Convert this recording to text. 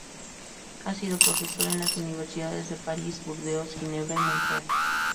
Ha sido profesor en las universidades de París, Burdeos, Ginebra y Montreal.